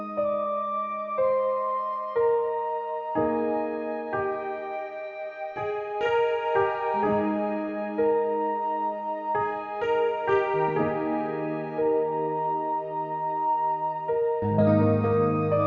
mikir banyak dib supermarket